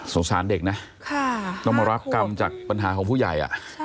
สารเด็กนะต้องมารับกรรมจากปัญหาของผู้ใหญ่